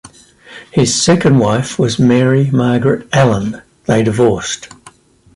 His second wife was Mary Margaret Allen; they divorced.